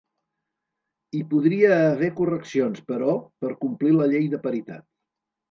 Hi podria haver correccions, però, per complir la llei de paritat.